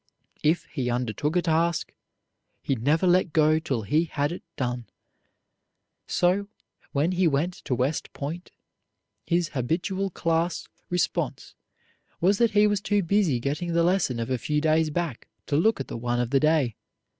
If he undertook a task, he never let go till he had it done. So, when he went to West Point, his habitual class response was that he was too busy getting the lesson of a few days back to look at the one of the day.